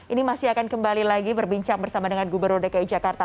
ini masih akan kembali lagi berbincang bersama dengan gubernur dki jakarta